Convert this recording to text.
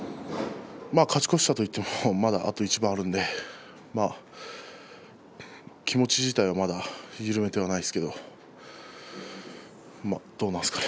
勝ち越したといってもあと一番あるので気持ち自体はまだ緩めてはいないですけれど。どうなんですかね？